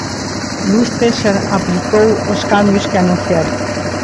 Luís César aplicou os cambios que anunciara.